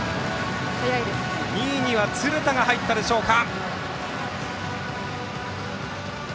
２位には鶴田が入ったでしょうか。